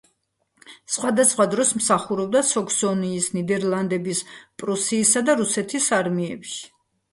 სხვადასხვა დროს მსახურობდა საქსონიის, ნიდერლანდების, პრუსიისა და რუსეთის არმიებში.